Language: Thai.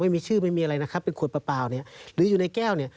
ไม่มีชื่อไม่มีอะไรนะครับเป็นขวดเปล่าเนี่ยหรืออยู่ในแก้วเนี่ย